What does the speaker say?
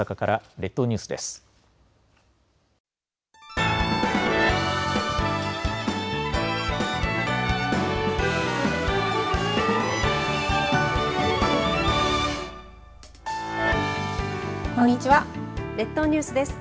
列島ニュースです。